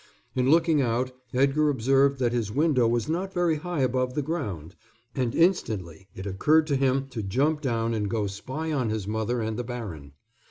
In looking out Edgar observed that his window was not very high above the ground, and instantly it occurred to him to jump down and go spy on his mother and the baron.